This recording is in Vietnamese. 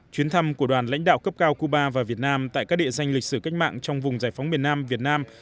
chuyến thăm của đoàn lãnh đạo cấp cao cuba và việt nam tại các địa danh lịch sử cách mạng trong vùng giải phóng miền nam việt nam